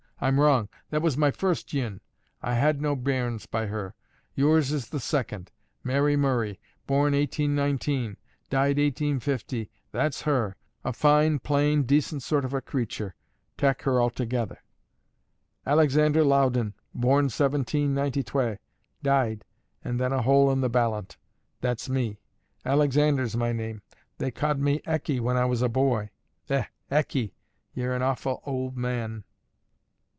I'm wrong; that was my first yin; I had no bairns by her; yours is the second, Mary Murray, Born 1819, Died 1850: that's her a fine, plain, decent sort of a creature, tak' her athegether. Alexander Loudon, Born Seventeen Ninety Twa, Died and then a hole in the ballant: that's me. Alexander's my name. They ca'd me Ecky when I was a boy. Eh, Ecky! ye're an awfu' auld man!"